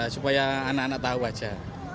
supaya anak anak tahu saja